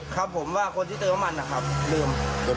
ครับผมว่าคนที่เติมน้ำมันนะครับลืม